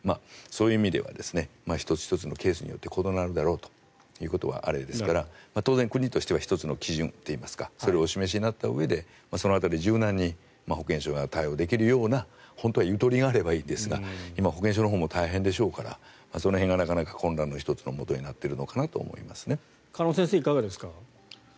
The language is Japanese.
そういう意味では１つ１つのケースによって異なるだろうということはあるでしょうから当然、国としては１つの基準といいますかそれをお示しになったうえでその辺り柔軟に保健所が対応できるような本当はゆとりがあればいいですが今、保健所のほうも大変でしょうからその辺がなかなか混乱の１つのもとになっているのかなと思います。